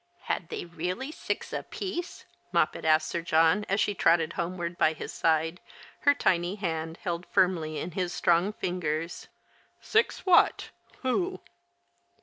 "Had they really six aj)iece?" Moppet asked Sir John, as she trotted homeward by his side, her tiny hand held firmly in his strong fingers. " Six what — who